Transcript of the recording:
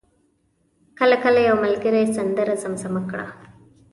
کله کله یو ملګری سندره زمزمه کړه.